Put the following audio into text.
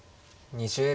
２０秒。